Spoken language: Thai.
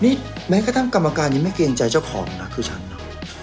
นี่แม้กระทั่งกรรมการยังไม่เกรงใจเจ้าของนะคือฉันเนอะ